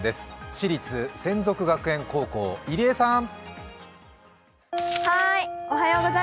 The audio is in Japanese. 私立洗足学園高校、入江さん。